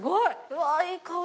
うわいい香り。